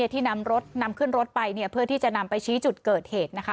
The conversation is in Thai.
ที่นำรถนำขึ้นรถไปเพื่อที่จะนำไปชี้จุดเกิดเหตุนะคะ